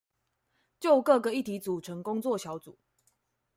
就各個議題組成工作小組